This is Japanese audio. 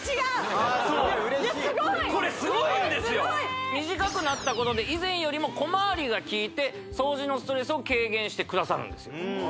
そう嬉しいこれすごいんですよ短くなったことで以前よりも小回りがきいて掃除のストレスを軽減してくださるんですよ